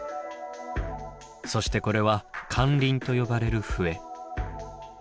そしてこれは「カンリン」と呼ばれる笛。